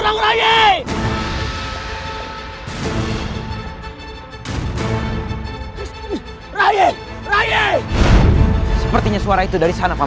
akhirnya aku bertemu denganmu